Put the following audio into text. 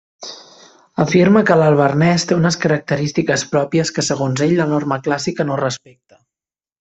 Afirma que l'alvernès té unes característiques pròpies que segons ell la norma clàssica no respecta.